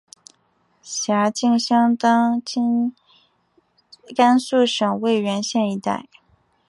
辖境相当今甘肃省渭源县一带。